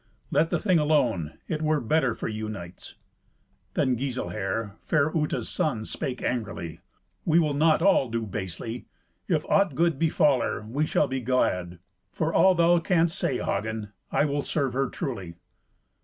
Let the thing alone; it were better for you knights." Then Giselher, fair Uta's son, spake angrily, "We will not all do basely. If aught good befall her, we shall be glad. For all thou canst say, Hagen, I will serve her truly."